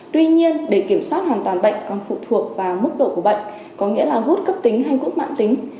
tuy nhiên để kiểm soát hoàn toàn bệnh còn phụ thuộc vào mức độ của bệnh có nghĩa là gút cấp tính hay gút mạng tính